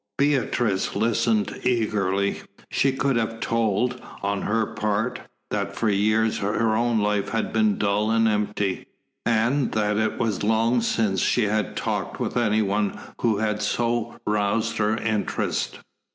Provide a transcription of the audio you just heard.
Beatrice listened eagerly. She could have told, on her part, that for years her own life had been dull and empty, and that it was long since she had talked with any one who had so roused her interest.